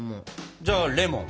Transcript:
じゃあレモン。